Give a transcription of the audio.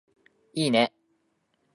いいね